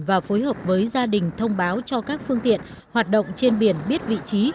và phối hợp với gia đình thông báo cho các phương tiện hoạt động trên biển biết vị trí